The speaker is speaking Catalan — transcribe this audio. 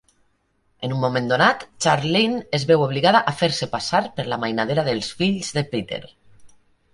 En un moment donat, Charlene es veu obligada a "fer-se passar" per la mainadera dels fills de Peter.